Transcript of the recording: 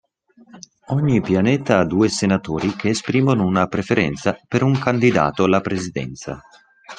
Ogni pianeta ha due Senatori che esprimono una preferenza per un candidato alla Presidenza.